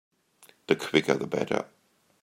The quicker the better.